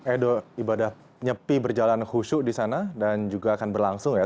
edo ibadah nyepi berjalan khusyuk di sana dan juga akan berlangsung ya